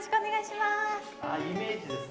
イメージですね。